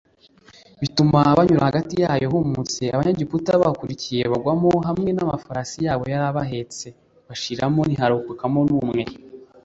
bituma banyura hagati yayo humutse abanyegeputa babakurikiye bagwamo hamwe n’amafarashi yabo yari abahetse bashiriramo ntiharokoka numwe.